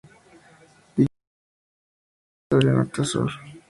Dicho río recorre su territorio de norte a sur.